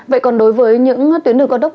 vậy còn đối với những tuyến đường con đốc